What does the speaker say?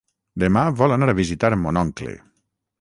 Demà vol anar a visitar mon oncle.